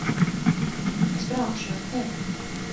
Es braukšu ar tevi.